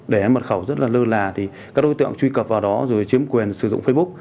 để em mật khẩu rất là lơ là thì các đối tượng truy cập vào đó rồi chiếm quyền sử dụng facebook